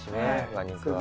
馬肉は。